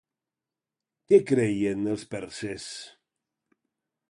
Què creien els perses?